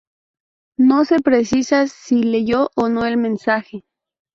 No se precisa si leyó o no el mensaje.